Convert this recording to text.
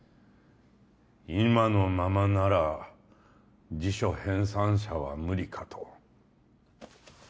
今のままなら辞書編纂者は無理かと